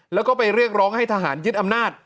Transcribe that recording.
แล้วก็ไปเรียกร้องให้ทหารยึดอำนาจ